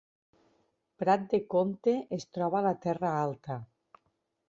Prat de Comte es troba a la Terra Alta